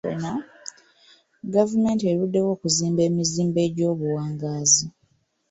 Gavumenti eruddewo okuzimba emizimbo egy'obuwangaazi.